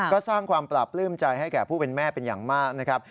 ก็สร้างความปราบปลื้มใจให้แก่ผู้เป็นแม่เป็นอย่างมากนะครับ